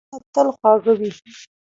د ملګرتیا ږغونه تل خواږه وي.